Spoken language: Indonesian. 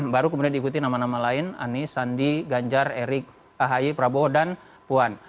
baru kemudian diikuti nama nama lain anies sandi ganjar erik ahi prabowo dan puan